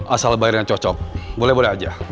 asal bayar yang cocok boleh boleh aja